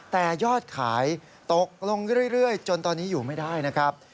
แต่ยอดขายตกลงเรื่อยจนตอนนี้อยู่ไม่ได้นะครับ